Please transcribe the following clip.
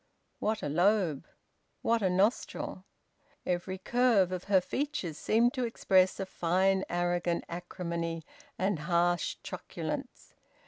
What a lobe! What a nostril! Every curve of her features seemed to express a fine arrogant acrimony and harsh truculence.